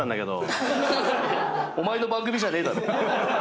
お前の番組じゃねえだろ。